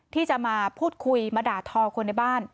ที่จะมาพูดคุยมาด่าทอคนในบ้าน